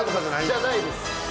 じゃないです。